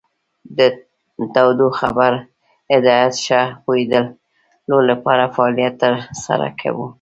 د تودوخیز هدایت ښه پوهیدلو لپاره فعالیت تر سره کوو.